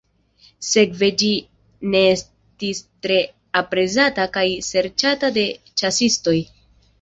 Sekve ĝi ne estis tre aprezata kaj serĉata de ĉasistoj.